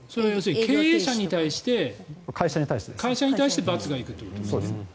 経営者に対して会社に対して罰がいくってことですね。